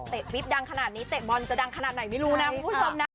ปิ๊บดังขนาดนี้เตะบอลจะดังขนาดไหนไม่รู้นะคุณผู้ชมนะ